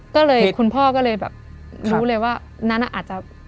ก็เลยคุณพ่อก็เลยแบบรู้เลยว่านั้นอาจจะ